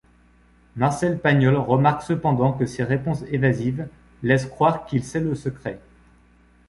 Marcel Pagnol remarque cependant que ses réponses évasives laissent croire qu’il sait le secret.